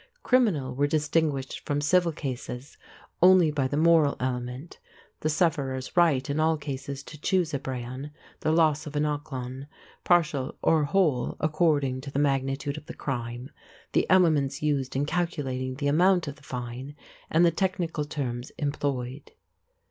Criminal were distinguished from civil cases only by the moral element, the sufferer's right in all cases to choose a brehon, the loss of eineachlann, partial or whole according to the magnitude of the crime, the elements used in calculating the amount of fine, and the technical terms employed.